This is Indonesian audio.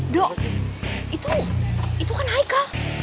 dok itu itu kan haikal